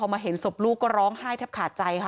มาเห็นศพลูกก็ร้องไห้แทบขาดใจค่ะ